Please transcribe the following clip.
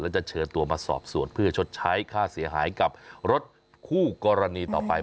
แล้วจะเชิญตัวมาสอบสวนเพื่อชดใช้ค่าเสียหายกับรถคู่กรณีต่อไป